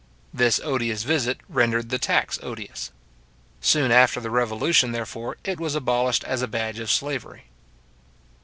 This odious visit rendered the tax odious. Soon after the Revolution, therefore, it was abolished as a badge of slavery.